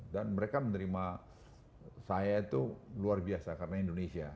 dan mereka menerima saya itu luar biasa karena indonesia